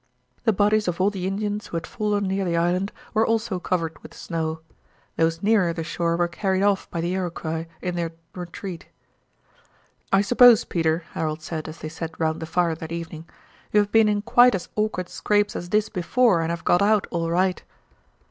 The bodies of all the Indians who had fallen near the island were also covered with snow. Those nearer the shore were carried off by the Iroquois in their retreat. "I suppose, Peter," Harold said as they sat round the fire that evening, "you have been in quite as awkward scrapes as this before and have got out all right?"